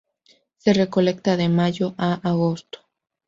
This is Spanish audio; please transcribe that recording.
Se recolecta de mayo a agosto.